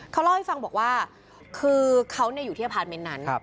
เขาเล่าให้ฟังบอกว่าคือเขาอยู่ที่อพาร์ทเมนต์นั้น